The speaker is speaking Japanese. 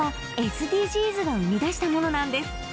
実はＳＤＧｓが生み出したものなんです